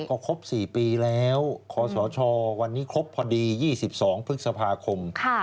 ก็ครบ๔ปีแล้วขอสชวันนี้ครบพอดี๒๒พฤษภาคม